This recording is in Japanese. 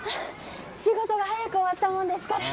仕事が早く終わったもんですから。